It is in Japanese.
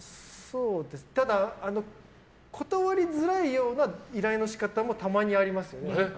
ただ、断りづらいような依頼の仕方もたまにありますよね。